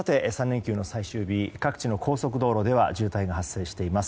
３連休最終日各地の高速道路では渋滞が発生しています。